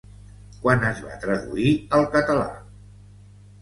Quan es va traduir al català